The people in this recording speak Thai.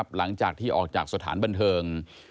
หลังจากที่ออกจากสถานบันเทิง